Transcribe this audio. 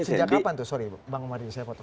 sejak kapan tuh sorry bang mada ini saya foto